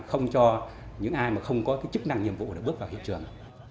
không cho những ai mà không có chức năng nhiệm vụ để bước vào hiện trường